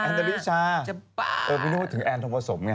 แอนริชาไม่รู้ถึงแอนทองประสมไง